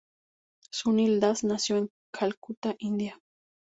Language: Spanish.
Sunil Das nació en Calcuta, India.